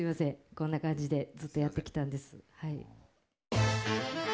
こんな感じでずっとやってきたんですはい。